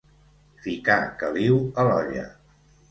Ficar caliu a l'olla.